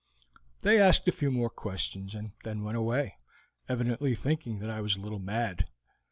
They asked a few more questions, and then went away, evidently thinking that I was a little mad.